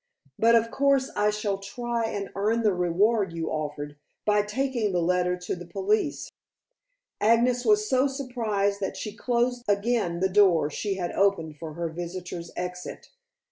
"But of course I shall try and earn the reward you offered, by taking the letter to the police." Agnes was so surprised that she closed again the door she had opened for her visitor's exit.